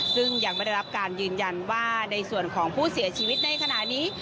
ซึ่งยังไม่ได้รับการยืนยันว่าในส่วนของผู้เสียชีวิตในขณะนี้